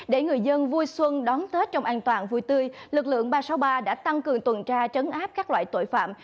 để người dân vui xuân đón tết trong an toàn vui tươi lực lượng ba trăm sáu mươi ba đã tăng cường tuần tra trấn áp các loại tội phạm